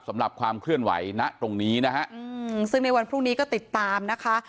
ความเคลื่อนไหวณตรงนี้นะฮะอืมซึ่งในวันพรุ่งนี้ก็ติดตามนะคะ